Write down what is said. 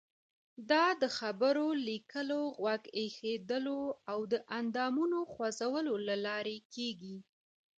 دا د خبرو، لیکلو، غوږ ایښودلو او د اندامونو خوځولو له لارې کیږي.